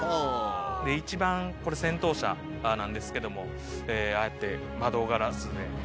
一番これ先頭車なんですけどもああやって窓ガラスで。